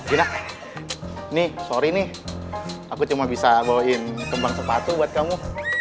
ina ini sorry nih aku cuma bisa bawain kembang sepatu buat kamu